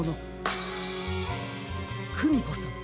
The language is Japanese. クミコさん